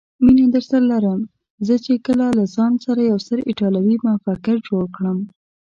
مینه درسره لرم، زه چې کله له ځانه یو ستر ایټالوي مفکر جوړ کړم.